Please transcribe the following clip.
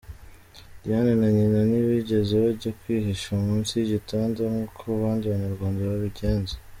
Diane na Nyina ntibigeze bajya kwihisha munsi y’igitanda nkuko abandi banyarwanda babigenza.